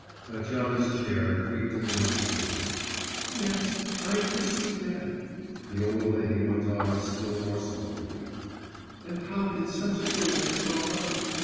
'... Tatyana's chair creaked in the next room. 'Yes, I foresee death,' the old lady went on still more softly. 'And how can such a thing have come about?